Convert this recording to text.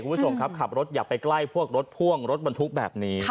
คุณผู้ชมครับขับรถอย่าไปใกล้พวกรถพ่วงรถบรรทุกแบบนี้